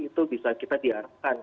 itu bisa kita diarahkan